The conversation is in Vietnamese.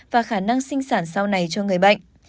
và khả năng sinh sản sau này cho người bệnh